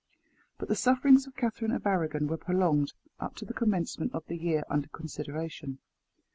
But the sufferings of Catherine of Arragon were prolonged up to the commencement of the year under consideration.